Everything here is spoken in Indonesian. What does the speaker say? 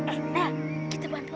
eh nel kita bantu aja